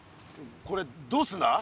これどうするんだ？